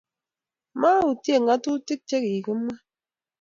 Ma-Utie Ng'atutiguk che kikimwa